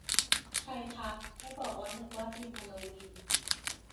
ใครทัก ให้บอกว่า นึกว่าธีมฮาโลวีน